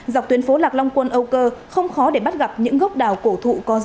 dọc tuyến phố lạc long quân âu cơ không khó để bắt gặp những gốc đào cổ thụ có giá